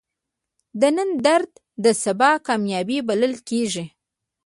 د نن درد د سبا کامیابی بلل کېږي.